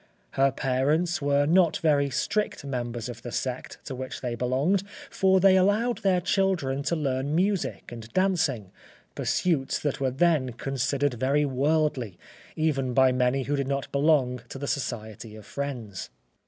Her parents were not very strict members of the sect to which they belonged, for they allowed their children to learn music and dancing—pursuits that were then considered very worldly even by many who did not belong to the Society of Friends.